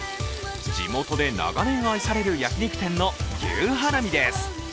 地元で長年愛される焼き肉店の牛ハラミです。